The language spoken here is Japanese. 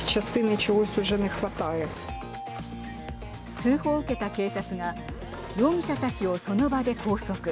通報を受けた警察が容疑者達をその場で拘束。